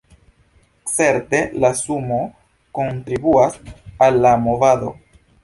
Certe la Sumoo kontribuas al la movado.